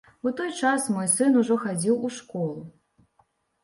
У той час мой сын ужо хадзіў у школу.